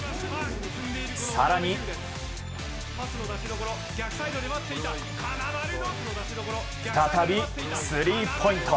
更に、再びスリーポイント。